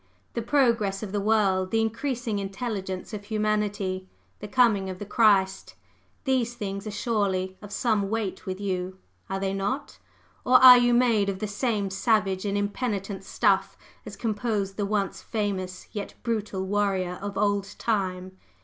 The progress of the world, the increasing intelligence of humanity, the coming of the Christ, these things are surely of some weight with you, are they not? Or are you made of the same savage and impenitent stuff as composed the once famous yet brutal warrior of old time?